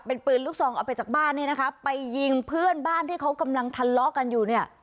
เป็นปืนลูกซองเอาไปจากบ้านเนี่ยนะคะไปยิงเพื่อนบ้านที่เขากำลังทะเลาะกันอยู่เนี่ย